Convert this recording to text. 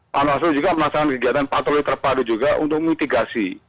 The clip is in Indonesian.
panwaslu juga melaksanakan kegiatan patroli terpadu juga untuk mitigasi